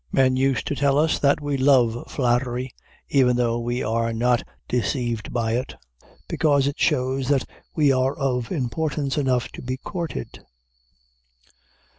Men used to tell us that we love flattery, even though we are not deceived by it, because it shows that we are of importance enough to be courted.